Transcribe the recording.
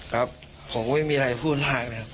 ผมก็ไม่มีอะไรว่าพูดมากเลยครับ